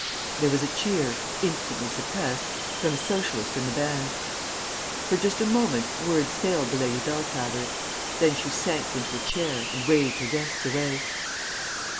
There was a cheer, instantly suppressed, from a Socialist in the band. For just a moment words failed the Lady Beltravers. Then she sank into a chair, and waved her guests away.